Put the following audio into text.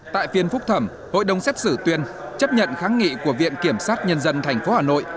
tại phiên phúc thẩm hội đồng xét xử tuyên chấp nhận kháng nghị của viện kiểm sát nhân dân tp hà nội